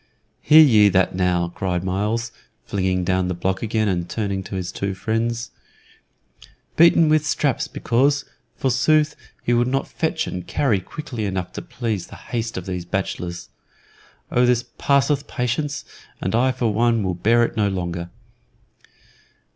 "Hear ye that now!" cried Myles, flinging down the block again and turning to his two friends. "Beaten with straps because, forsooth, he would not fetch and carry quickly enough to please the haste of these bachelors. Oh, this passeth patience, and I for one will bear it no longer."